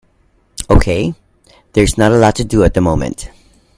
Okay, there is not a lot to do at the moment.